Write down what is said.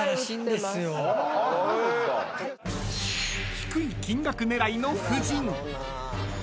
［低い金額狙いの夫人］